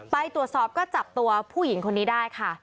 ไปตรวจสอบก็จับตัวผู้หญิงคนนี้ได้ค่ะ